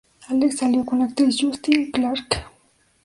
Alex salió con la actriz Justine Clarke.